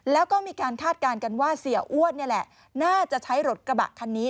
แล้วก็มีการคาดการณ์กันว่าเสียอ้วนนี่แหละน่าจะใช้รถกระบะคันนี้